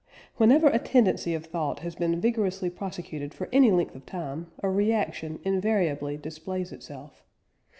Whenever a tendency of thought has been vigorously prosecuted for any length of time, a reaction invariably displays itself.